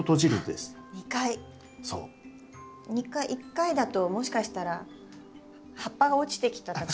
１回だともしかしたら葉っぱが落ちてきたとか。